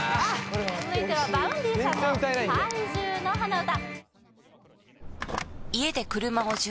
続いてはＶａｕｎｄｙさんの「怪獣の花唄」